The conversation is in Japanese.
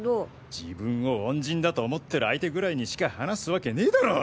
自分を恩人だと思ってる相手ぐらいにしか話すわけねぇだろ！